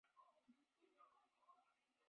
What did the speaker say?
父亲死后他承袭城阳公爵位。